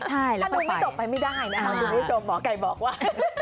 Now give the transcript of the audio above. ถ้าดูไม่จบไปไม่ได้นะคะคุณผู้ชมหมอไก่บอกว่า